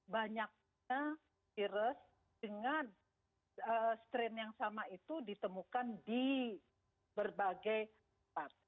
banyaknya virus dengan strain yang sama itu ditemukan di berbagai tempat